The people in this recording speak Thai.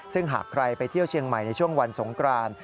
ซึ่งหากใครไปเที่ยวเชียงใหม่ในช่วงวันสงกราน